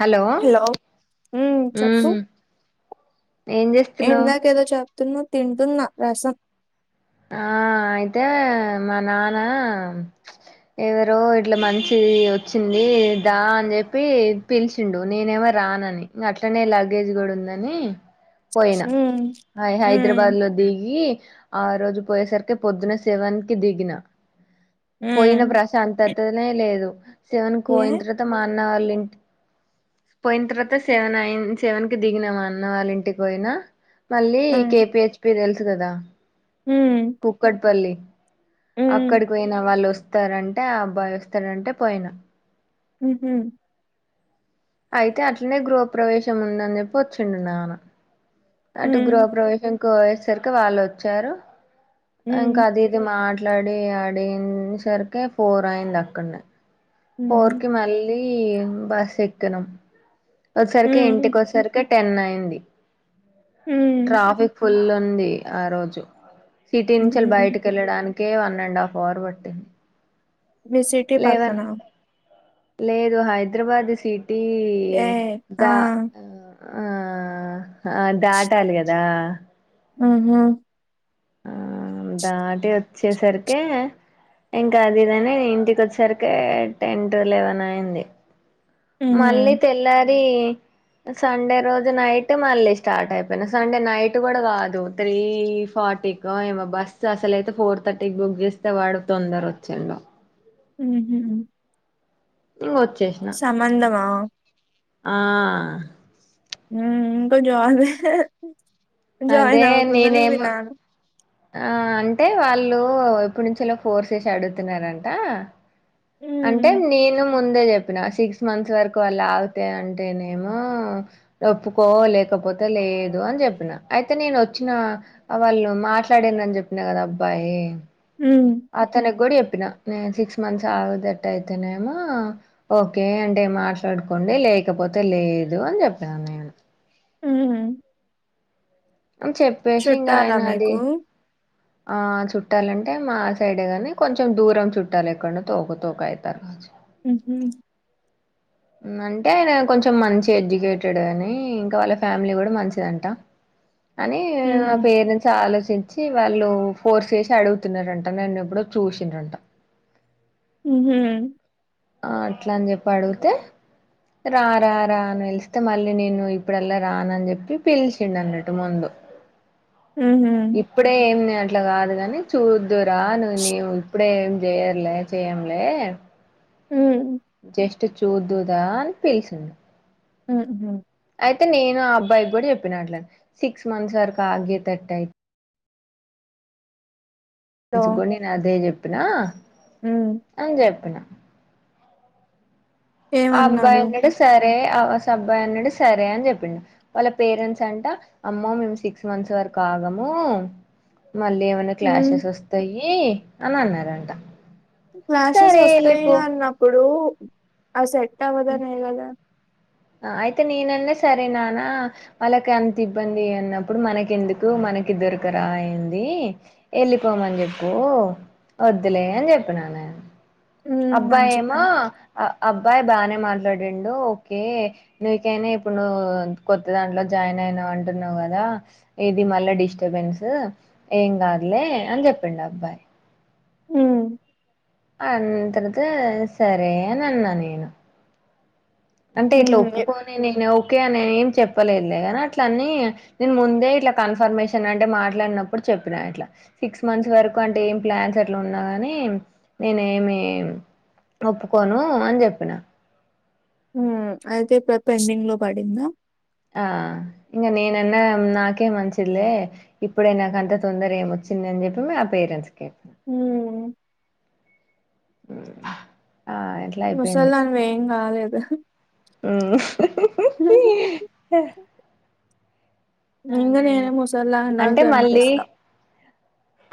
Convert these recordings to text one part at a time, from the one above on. Hello ఉమ్ ఏం చేస్తున్నావు? తూన్న తింటున్న రసం ఆ అయితే మా నాన్న ఎవరో ఇట్లా మంచిది వచ్చింది దా అని చెప్పి పిలిచిండు నేనెవరు రానని అట్లనే లగేజ్ కూడా ఉందని పోయినా ఉమ్ అ ఉమ్ హైదరాబాద్ లో దిగి ఆ రోజు పోయేసరికి పొద్దున్న శేవనికి దిగిన పోయిన ఉమ్ ప్రశాంతతనే లేదు శివన్ ఏ కోయిం తర్వాత మాన నా వాలా ఇంటికి పోయిన తర్వాత సెవెన్ అయి సెవెన్ కి దిగినామా అన్న వాళ్ళ ఇంటికి పోయినా మళ్ళీ ఆ కేపిహెచ్పి తెలుసు కదా ఉమ్ కుక్కటిపల్లి ఉమ్ అక్కడికి పోయిన వాళ్ళు వస్తారంటే ఆ అబ్బాయి వస్తారంటే పోయిన ఉహ అయితే అట్లనే గృహ ప్రవేశం ఉందని చెప్పి వచ్చిండు నాన్న అటు ఉమ్ గృహ ప్ర్రవేశం కోయేసరికి వాళ్ళు వచ్చారు. ఉమ్ ఇంకా అది ఇది మాట్లాడి ఆడిన సరికి ఫోర్ అయింది అక్కడనే ఫోర్ కి మళ్ళీ బస్ ఎక్కినాం ఒకసరికి ఉమ్ ఇంటికొసరికి టెన్ అయింది ఉమ్ ట్రాఫిక్ ఫుల్ ఉంది ఆ రోజు సిటీ నుంచిళ్ ఉహు బయటకి వెళ్ళడానికే వన్ అండ్ హాఫ్ అవర్ పట్టింది. మీ సిటీ లేవన్ పక్కనా? లేదు హైదరాబాద్ సీ ఏ ఆ దా ఆ ఆ అ దాటాలి కదా ఆహా ఆ దాటి వచ్చేసరికి ఇంకా అది ఇదని ఇంటికి వచ్చరికి టెన్ టు లెవెన్ అయింది. ఉహు మళ్ళీ తెల్లారి సండే రోజు నైట్ మళ్ళీ స్టార్ట్ అయిపోయిన సండే నైట్ కూడా కాదు త్రీ ఫో ఫార్టీ క ఏమో బస్ అసలయితే ఫోర్ థర్టీకి బుక్ చేస్తే వాడు తొందర వచ్చిండు ఉమ్ ఇంగ వచ్చేసిన సంబంధమా ఆ ఇకా జ అదే జాయినావకున్నాను నేనేమో వినాను ఆ అంటే వాళ్ళు ఎప్పుడు నుంచ ఎలా ఫోర్స్ చేసి అడుగుతున్నారంట అంటే ఉమ్ నేను ముందు అందే చెప్పిన సిక్స్ మంత్స్ వరకు అళ్లా అవుతాయి అంటేనేమో ఒప్పుకో లేకపోతే లేదు అని చెప్పిన అయితే నేను వచ్చిన వాళ్ళు మాట్లాడనని చెప్పిన కదా అబ్బాయి యి ఉమ్ అతని కూడ ప్పిన నేను సిక్స్ మంత్స్ ఆగుదట్టు అయితేనేమో ఓకే అంటే మాట్లాడుకోండి లే లేకపోతే లేదు అని చెప్పాను నేను ఉహు చెప్పేసి ఇంకా ఆయన అది మీకు ఆ చుట్టాలంటే మా సైడే కాగాని కొంచెం దూరం చుట్టాలి ఎక్కడన తోక తోక అవుతారు ఉ అంటే ఆయన కొంచెం మంచి ఎడ్యుకేటెడ్ అని ఇంకా వాళ్ళ ఫ్యామిలీ కూడా మంచిదంట అని మా హ్మ్. పేరెంట్స్ ఆలోచ చించి వాళ్ళు ఫోర్స్ చేసి అడుగుతున్నారంట నేన్న ఎప్పుడో చూసినంట ఉహా ఆ అట్ల అని జెప్పి అడుగితే రా రా రా అని పిలిస్తే మళ్ళీ నేను ఇప్పుడల్లా రానని జెప్పి పిలిచిండు అన్నట్టు ముందు [inaudible] హుహు. ఇప్పుడే ఏమి అట్ల గాదు గని చూద్దువురా అను నేవు ఇప్పుడే చేయర్లే చేయంలే ఊహ్ చూద్దువు దా అని పిలిసింది ఉహు అయితె నేను ఆ అబ్బాయిక్ గుడా చెప్పినా అట్ల సిక్స్ మంత్స్ వరకు ఆగేటట్ అయితే సో ఎంచుకొని నేన్ అదే చెప్పినా హ్మ్. అని చెప్పిన ఆ అబ్బాయ్ ఏమన్నాడు? అన్నడు సరే రే అ అస్ అబ్బాయి అన్నాడు సరే అని చెప్పిండు వాళ్ళ పేరెంట్స్ అంట అమ్మో మేమ్ సిక్స్ మంత్స్ వ రకు ఆగమూ మళ్ళీ ఏమైనా హ్మ్. క్లాసెస్ వస్తయీ అని అన్నరంట క్లాసెస్ వొస్తయి అన్నప్పుడూ అ సెట్ అవదనేగదా అ అయితే నేనన్న సరే నాన్న వాళ్ళకంత ఇబ్బందీ అన్నప్పుడు మనకెందుకు మనకి దొరకరా ఏంది వెళ్ళిపోమని చెప్పు ఒద్దులే అని చెప్పిన నేను హ్మ్. అబ్బాయి మంచి ఏమో పని. అ అబ్బాయి బాన మాట్లాడిండు ఓకే నీకైన ఇప్పుడూ నువ్ కొత్త దాంట్లో జాయిన్ అయినా అంటున్నవు కదా ఇది మళ్ళ డిస్టబెన్స్ ఏం కాదులే అని చెప్పిండు అబ్బాయి ఉహ్ అన్ తర్వాతా సరే అని అన్న నేను అంటే ఇట్ల హ్మ్. ఎ ఒప్పుకోని నేను కే అని ఏం చెప్పలేదులే గని అట్లనీ నేన్ ముందే ఇట్ల కన్ఫర్మేషన్ అంటే మాట్లాడినప్పుడు చెప్పినా అట్లా సిక్స్ మంత్స్ వరకు అంటే ఏం ప్లాన్స్ అట్ల ఉన్నా గనీ నేనేమీ ఒప్పుకోనూ అని జెప్పిన ఊ అయితే పె పెండింగ్ లో పడింద ఆ ఇంగ నేనన్నా నాకే మంచిదిలే ఇప్పుడే నాకంత తొందర ఏమొచ్ వచ్చిందని జెప్పి మా పేరెంట్స్ కి ఊ [unintelligible] ఇట్లా ముసల్దానివేం గాలేదు ఊ ఉహ్ ఉహ్హు హ్హు హ్హు హూహ్ హ! ఇంగ నేను ముసల్దానిలాగా అంటే మళ్ళీ కనిపిస్తా.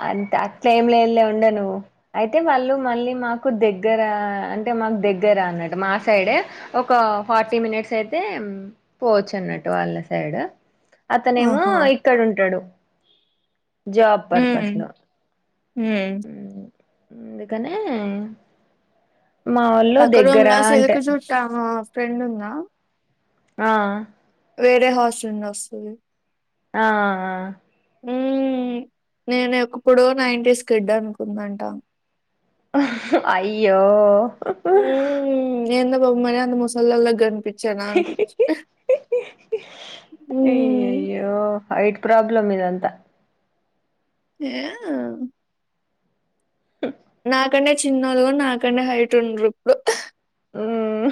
అంత అట్ల ఏంలేలే ఉండు నువ్వు అయితే వాళ్ళు మళ్ళి మాకు దెగ్గరా అంటే మాకు దగ్గరా అన్ అన్నట్టు మా సైడే ఒక ఫార్టీ మినిట్స్ అయితే పోవచ్చు అన్నట్టు వాళ్ళ సైడ్ అతనేమో ఆహా! ఇక్కడ ఉంటడు జాబ్ పర్పస్ హ్మ్. లో హ్మ్. అందుకనే మా వోళ్ళు పక్క దగ్గర రూంల అంటే సెలుకు చూస్దామా ఫ్రెండుందా ఆ వేరే హాస్టల్ నుండి ఒస్తది ఆ ఊ నేను ఎక్ ప్పుడు నైన్టీస్ కిడ్ అనుకుందంటా అయ్యో గొమ్మన ఉండు మొసలోల్ల గన్ పిచ్చనా అని పిచ్ అయ్యయ్యో హైట్ ప్రాబ్లమ్ ఇదంతా ఏ ఆ నాకన్నా చిన్నోలు నాకన్నా హైటండ్రూ ఇప్పుడు మ్మ్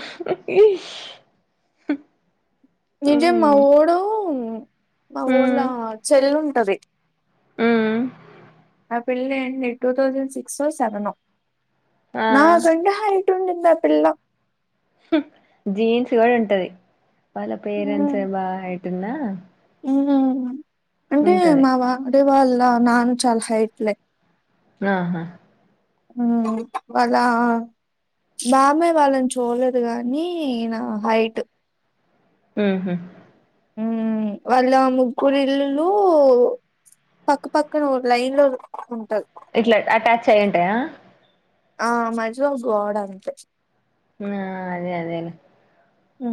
నిజం మా మ్మ్ వోడు మా వోళ్ళ చెల్లుంటది ఊ ఆ పిల్ల ఏంది టూ తౌసండ్ సిక్సో సెవెనో ఆ నాకంటే హై ఉండిద్ది ఆ పిల్ల జీన్స్ కూడా ఉంటది వాళ్ళ పేరెంట్స్ హ్మ్ బాగా హైట్ ఉన్నా అంటే ఉంటది మా వాడి వాళ్ళ నాన్న చాలా హైట్లే అహ వాళ్ళ బామ్మే వాళ్ళని చూడలేదు గానీ ఈయన హైట్ ఉహు ఉ వాళ్ళ ముగ్గురిల్లులు పక్కపక్కన లైన్ లో ఉంటది ఇట్లా అటాచ్ అయ్యుంటాయా ఆ మజిలో గోడ్ అంతే ఆ అదే అదే లే ఉ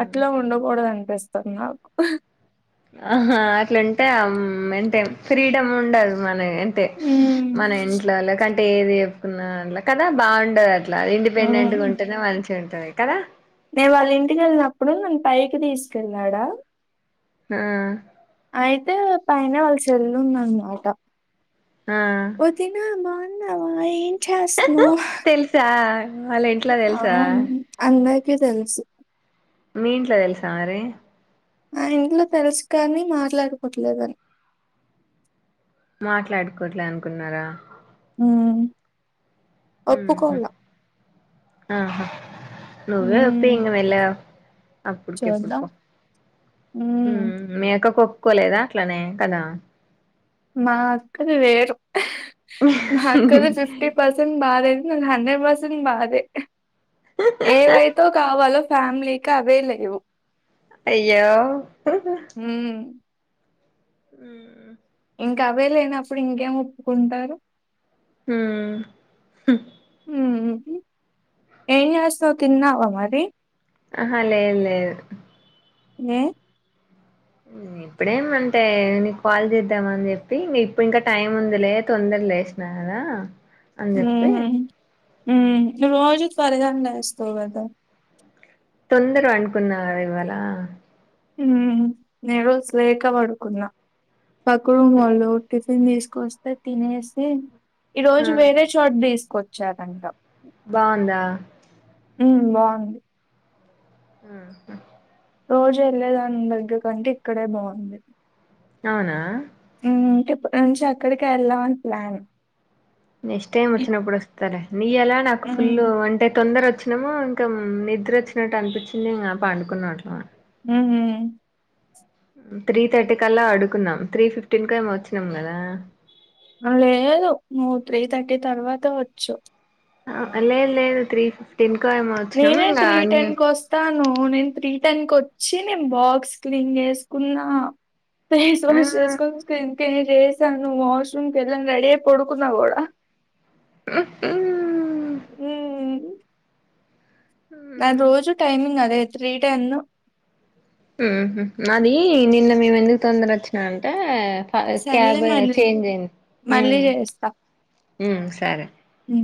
అట్లా ఉండకూడదు అనిపిస్తుంది నాకు ఆహా అట్లాంటే అంటే ఫ్రీడమ్ ఉండదు మనె అంటే హ్మ్. మన ఇంట్లోలో కంటే ఏది చెప్పుకున్న కదా బాగుంటద ట్ల ఇండిపెండెంట్ గా ఉంటేనే మంచిగుంటది కదా నే వాళ్ళింటికి ఎళ్ళినప్పుడు నన్ను పైకి తీసుకెళ్ళడా ఆ అయితే పైన వాళ్ళ సెల్లు ఉందన్మాట ఆ! వొదిన బాగున్నావా ఎ చేస్తనవ్ తెలుసా? వాళ్ళ ఇంట్లో అ తెలుసా? అంద కి తెల్సు మీ ఇంట్ల తెల్సా మరి ఆ ఇంట్లో తెల్స్ కానీ మాట్లాడుకోట్లేదని మాట్లాడుకోవట్లే అనుకున్నారా ఉమ్ ఉహ్ ఒప్పుకోల ఆహా నువ్వే ఒప్పియ్ ఉమ్ ఇంగ మేల్లాగ చూద్దాం అప్పుడుకెప్పడుకో ఉమ్ మీ అక్కకొప్పుకొలేదా అట్లనే కదా మా అక్కది వేరు మా అక్కది ఫిఫ్టీ పర్సెంట్ నాదే ను హండ్రెడ్ పర్సెంట్ నాదే ఏవైతో కావాలో ఏవైతే కావాలో ఫ్యామిలీకి అవే లేవు అయ్యో ఉమ్ ఉ ఇంకా అవే లేనప్పుడు ఇంకేం ఒప్పుకుంటారు ఉమ్ హు ఉమ్ ఏం చేస్తావు తిన్నావా మరి ఆహా లేద్ లేద్ ఏ ఉ ఇప్పుడేమంటే నీకు కాల్ చేద్దామని చెప్పి ఇప్పు ఇంకా టైం ఉందిలే తొందర లేసిన కదా అన్ చెప్పి ఉమ్ ఉమ్ ను రోజు త్వరగానే లేస్తావ్ కదా తొందర పండుకున్నా కదా ఇవ్వాళ ఉమ్ నేను ఈ రోజు లేక పడుకున్నా పక్క రూమ్ వొళ్ళు ఫిన్ తీసుకొస్తే తినేసి ఈ రోజు వేరే చోటు తీసుకొచ్చారంట బాగుందా ఉమ్ బాగుంది ఉమ్ హ్ రోజు వెళ్ళేదాని దగ్గర కంటే ఇక్కడే బాగుంది అవునా ఉమ్ టే ఇప్పు నుంచి అక్కడికె ఎళ్దాం అని ప్లాన్ నెక్స్ట్ టైమ్ వచ్చినప్పుడు వస్తాలే నీ యాలా నాకు ఫుల్ ఉమ్ అంటే తొందర వచ్చి ణము ఇంకా నిద్రచ్చినట్టు అనిపించింది ఇంకా పండుకున్నం అట్లా ఉమ్ త్రీ థర్టీ కల్లా అడుకున్నాం త్రీ ఫిఫ్టీన్ కేమో వచ్చినాం కదా లేదు నువ్వు త్రీ థర్టీ తర్వాత వచ్చవ్ ఆ లేదు లేేదు త్రీ ఫిఫ్టటీన్ నేనే త్రీ టెన్ కీ వస్తాను నేను త్రీ దనికి వచ్చి నేను బాక్స్ క్లీన్ చేేసుకున్న ఫేస్ వాష్ ఆ, చేసుకుని స్క్రన్ కిన్ చేసాను వాష్రూమ్ కెల్లాను రెడీ అయి పడుకున్నా కూడా ఊహు ఉ నాది రోజు టైమింగ్ అదే త్రీ టెన్ అది నిన్న మేము ఎందుకు తొందర వచ్చినా అంటే సర్లే క్యాబ్ మళ్ళీ చేంజ్ అయి ఉ మళ్ళీ చేస్తా ఉ సరే ఉమ్